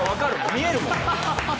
見えるもん。